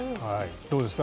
どうですか？